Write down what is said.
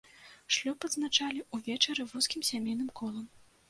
Шлюб адзначалі ўвечары вузкім сямейным колам.